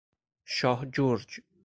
شاه جرج